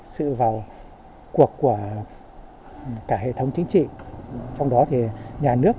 sự vào cuộc của cả hệ thống chính trị trong đó thì nhà nước